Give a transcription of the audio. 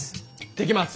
できます！